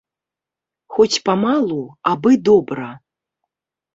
Хоць памалу, абы добра